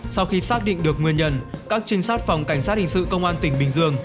sau khi xác định được nguyên nhân các trinh sát phòng cảnh sát hình sự công an tỉnh bình dương